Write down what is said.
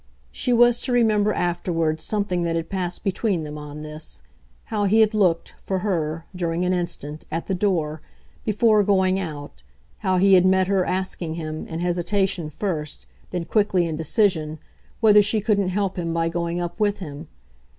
She was to remember afterwards something that had passed between them on this how he had looked, for her, during an instant, at the door, before going out, how he had met her asking him, in hesitation first, then quickly in decision, whether she couldn't help him by going up with him.